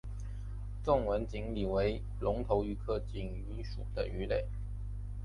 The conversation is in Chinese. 纵纹锦鱼为隆头鱼科锦鱼属的鱼类。